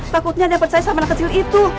takutnya ada yang percaya sama anak kecil itu